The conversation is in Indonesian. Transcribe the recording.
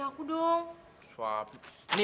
kau mau ngapain